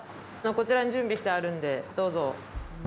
こちらに準備してあるんでどうぞ。